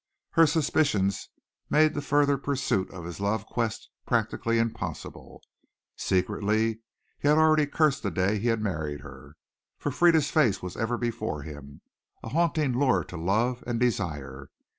Her suspicions made the further pursuit of this love quest practically impossible. Secretly he already cursed the day he had married her, for Frieda's face was ever before him, a haunting lure to love and desire.